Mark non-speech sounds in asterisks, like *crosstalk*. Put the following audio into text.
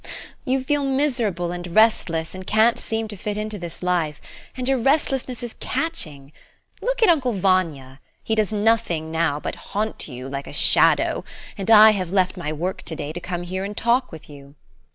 *laughs* You feel miserable and restless, and can't seem to fit into this life, and your restlessness is catching. Look at Uncle Vanya, he does nothing now but haunt you like a shadow, and I have left my work to day to come here and talk with you.